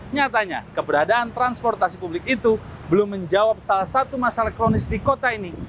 nyatanya keberadaan transportasi publik itu belum menjawab salah satu masalah kronis di kota ini